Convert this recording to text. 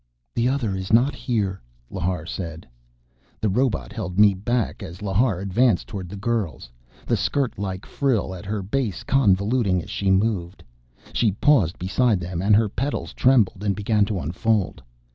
"The Other is not here," Lhar said. The robot held me back as Lhar advanced toward the girls, the skirt like frill at her base convoluting as she moved. She paused beside them and her petals trembled and began to unfold.